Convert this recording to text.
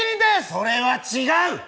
それは違う！